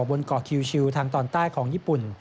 บนเกาะคิวชิลทางตอนใต้ของญี่ปุ่น